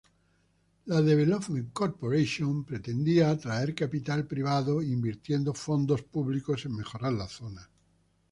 La "Development Corporation" pretendía atraer capital privado invirtiendo fondos públicos en mejorar la zona.